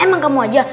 emang kamu aja